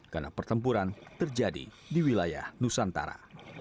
karena pertempuran terjadi di wilayah nusantara